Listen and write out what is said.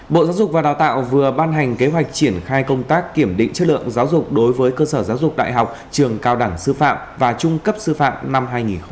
bộ giáo dục và đào tạo vừa ban hành kế hoạch triển khai công tác kiểm định chất lượng giáo dục đối với cơ sở giáo dục đại học trường cao đẳng sư phạm và trung cấp sư phạm năm hai nghìn một mươi chín